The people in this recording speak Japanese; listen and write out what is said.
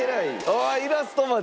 あっイラストまで。